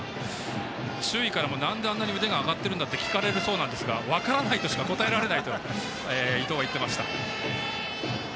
周囲からもなんであんなに腕が上がっているんだと聞かれることも多いそうですが分からないとしか答えられないと伊藤は言っていました。